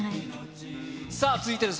さあ、続いてです。